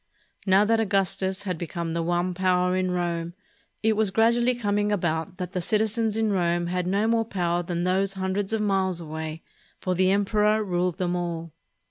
Now that Augustus had become the one power in Rome, it was gradually coming about that the citizens in Rome had no more power than those hundreds of miles away, for the emperor ruled them all.